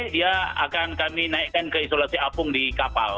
dia akan kami naikkan ke isolasi apung di kapal